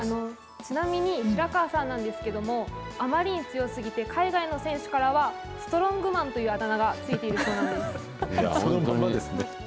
ちなみに、白川さんなんですけれども、あまりに強すぎて海外の選手からは、ストロングマンというそのままですね。